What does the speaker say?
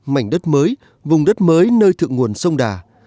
mảnh đất mới vùng đất mới nơi thượng nguồn sông đà